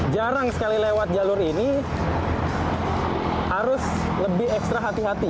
jarang sekali lewat jalur ini harus lebih ekstra hati hati